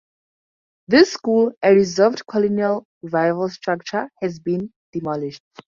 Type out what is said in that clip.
This school, a reserved Colonial Revival structure, has been demolished.